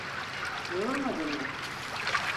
Yorulmadın mı?